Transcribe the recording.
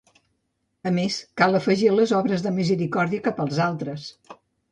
A més, cal afegir les obres de misericòrdia cap als altres.